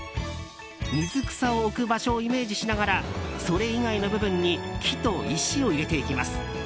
水草を置く場所をイメージしながらそれ以外の部分に木と石を入れていきます。